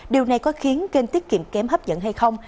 điều này có khiến kênh tiết kiệm kém hấp dẫn hay không